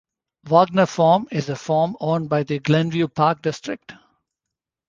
Wagner Farm is an farm owned by the Glenview Park District.